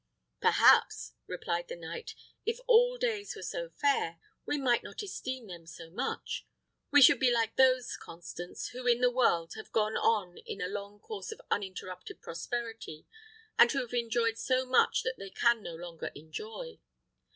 "Perhaps," replied the knight, "if all days were so fair, we might not esteem them so much: we should be like those, Constance, who in the world have gone on in a long course of uninterrupted prosperity, and who have enjoyed so much that they can no longer enjoy."